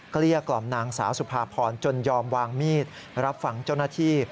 เกลี้ยกล่อมนางสาวสุภาพรจนยอมวางมีดรับฟังเจ้าหน้าที่